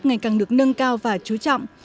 ngày càng được nâng cao và chú trọng